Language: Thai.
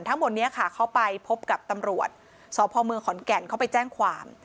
ทั้งหมดนี้ค่ะเขาไปพบกับตำรวจสพเมืองขอนแก่นเขาไปแจ้งความ